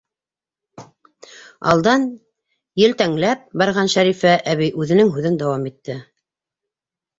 Алдан елтәңләп барған Шәрифә әбей үҙенең һүҙен дауам итте: